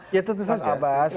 ya tentu saja